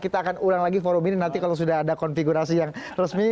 kita akan ulang lagi forum ini nanti kalau sudah ada konfigurasi yang resmi